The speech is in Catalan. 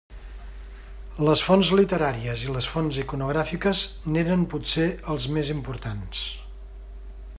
Les fonts literàries i les fonts iconogràfiques n'eren potser els més importants.